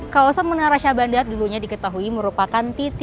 kawasan menara syabandat dulunya diketahui merupakan titik km batavia